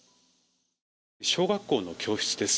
小学校の教室です。